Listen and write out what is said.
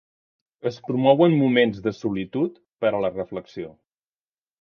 Es promouen moments de solitud per a la reflexió.